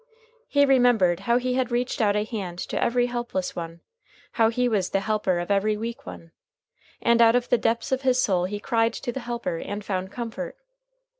He remembered how He had reached out a Hand to every helpless one, how He was the Helper of every weak one. And out of the depths of his soul he cried to the Helper, and found comfort.